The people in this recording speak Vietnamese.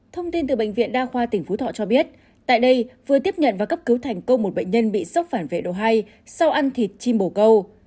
thông tin từ bệnh viện đa khoa tỉnh phú thọ cho biết tại đây vừa tiếp nhận và cấp cứu thành công một bệnh nhân bị sốc phản vệ độ hai sau ăn thịt chim bổ câu